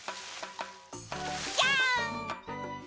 じゃん！